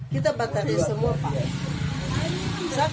kita batarin semua pak